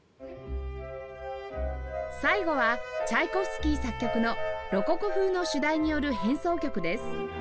最後はチャイコフスキー作曲の『ロココ風の主題による変奏曲』です